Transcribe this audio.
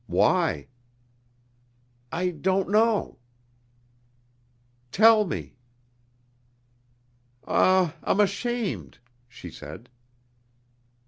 "Why?" "I don't know." "Tell me...." "Ah, I'm ashamed," she said....